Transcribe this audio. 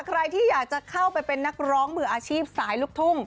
ใครที่อยากจะเข้าไปเป็นนักร้องมืออาชีพสายลูกทุ่ง